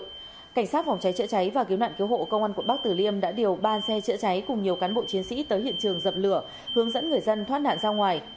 cảnh sát phòng cháy chữa cháy và cứu nạn cứu hộ công an quận bắc tử liêm đã điều ba xe chữa cháy cùng nhiều cán bộ chiến sĩ tới hiện trường dập lửa hướng dẫn người dân thoát nạn ra ngoài